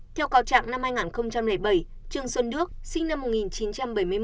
theo cáo trạng năm hai nghìn bảy trương xuân đức sinh năm một nghìn chín trăm bảy mươi một